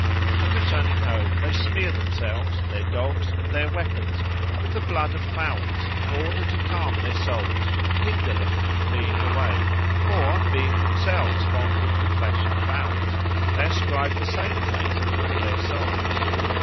On returning home they smear themselves, their dogs, and their weapons with the blood of fowls in order to calm their souls and hinder them from fleeing away; for, being themselves fond of the flesh of fowls, they ascribe the same taste to their souls.